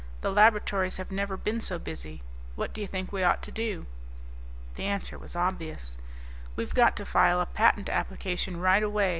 The laboratories have never been so busy. What do you think we ought to do?" The answer was obvious. "We've got to file a patent application right away.